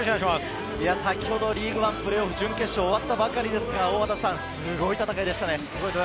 先ほどリーグワンプレーオフ準決勝が終ったばかりですが、すごい戦いでしたね。